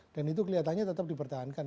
dan itu kelihatannya tetap dipertahankan